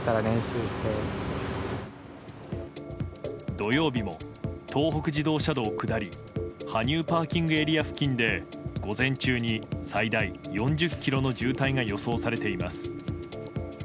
土曜日も東北自動車道下り羽生ＰＡ付近で午前中に最大４０ｋｍの渋滞が予想されています。